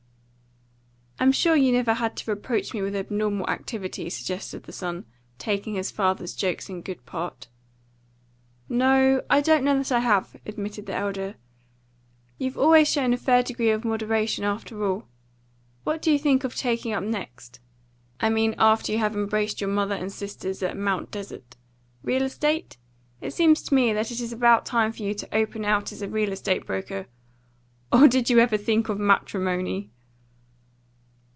"I'm sure you never had to reproach me with abnormal activity," suggested the son, taking his father's jokes in good part. "No, I don't know that I have," admitted the elder. "You've always shown a fair degree of moderation, after all. What do you think of taking up next? I mean after you have embraced your mother and sisters at Mount Desert. Real estate? It seems to me that it is about time for you to open out as a real estate broker. Or did you ever think of matrimony?"